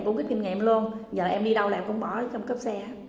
em cũng rất kinh nghiệm luôn giờ em đi đâu là em cũng bỏ trong cấp xe